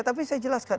tapi saya jelaskan